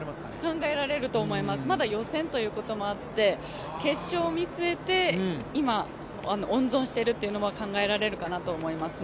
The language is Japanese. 考えられると思います、まだ予選ということもあって今、温存しているというのは考えられるかなと思いますね。